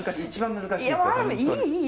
一番難しい！